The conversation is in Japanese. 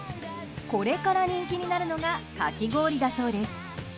これから人気になるのがかき氷だそうです。